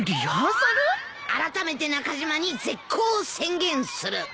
あらためて中島に絶交を宣言する。